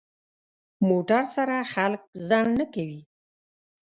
موټر سره خلک ځنډ نه کوي.